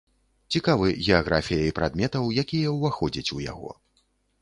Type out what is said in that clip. Цікавы геаграфіяй прадметаў, якія ўваходзяць у яго.